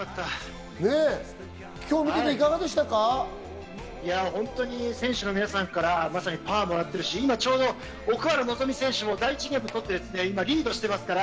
今日見てい本当に選手の皆さんから、まさにパワーをもらってるし、今ちょうど奥原希望選手も第１ゲームを取ってリードしています。